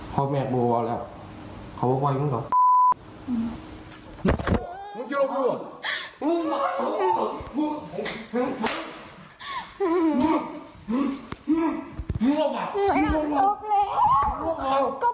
จริงฮะ